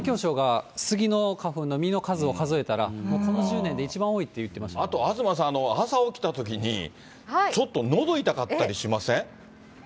環境省がスギの花粉の実の数を数えたら、もうこの１０年で一あと、東さん、朝起きたときに、ちょっと、のど痛かったりしません？